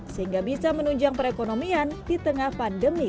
sehingga bisa menunjang perekonomian di tengah pandemi